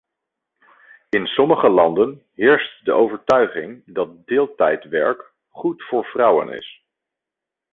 In sommige landen heerst de overtuiging dat deeltijdwerk goed voor vrouwen is.